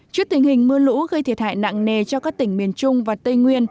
trước tình hình mưa lũ gây thiệt hại nặng nề cho các tỉnh miền trung và tây nguyên